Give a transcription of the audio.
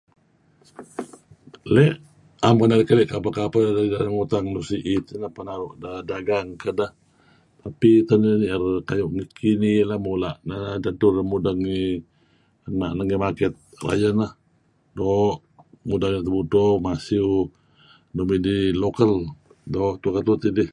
Leh naem narih keli' kapeh-kapen nuk siit penaru' deh dagang kedeh. Tapi tah narih kayu' nuk kinih lah mula'nh dedtur mudang ngi nah market rayeh nah doo' mudeng tebudto masiew nuk midih local doo' ketuh-ketuh tidih.